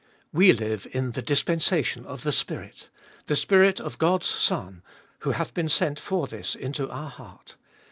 We live in the dispensation of the Spirit — the Spirit of God's Son, who hath been sent for this into our heart.